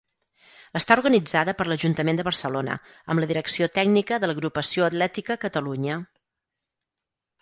Està organitzada per l'Ajuntament de Barcelona, amb la direcció tècnica de l'Agrupació Atlètica Catalunya.